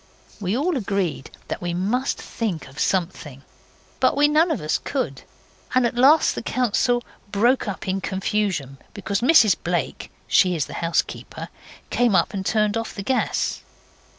We all agreed that we must think of something, but we none of us could, and at last the council broke up in confusion because Mrs Blake she is the housekeeper came up and turned off the gas.